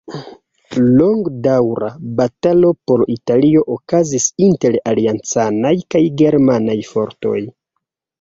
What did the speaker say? Longdaŭra batalo por Italio okazis inter Aliancanaj kaj Germanaj fortoj.